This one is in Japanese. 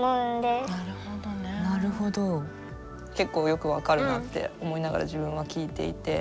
結構よく分かるなって思いながら自分は聞いていて。